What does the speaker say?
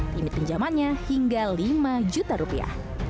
kini pinjamannya hingga lima juta rupiah